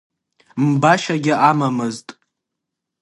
Мбашьагьы амамызт.